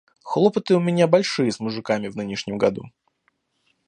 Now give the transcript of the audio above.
Хлопоты у меня большие с мужиками в нынешнем году.